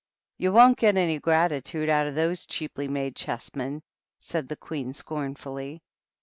"You won't get any gratitude out of those cheaply made chessmen," said the Queen, scorn fully.